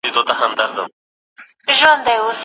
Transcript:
هغه کسان چي په پښتو لیکل کوي، د ژبې خدمتګار دي.